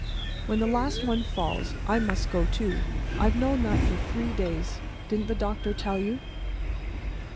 When the last one falls I must go, too. I've known that for three days. Didn't the doctor tell you?"